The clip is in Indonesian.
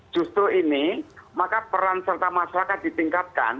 justru ini maka peran serta masyarakat ditingkatkan